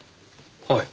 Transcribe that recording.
はい。